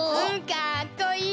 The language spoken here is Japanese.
かっこいい！